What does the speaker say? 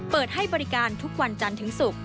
เปิดให้บริการทุกวันจันทร์ถึงศุกร์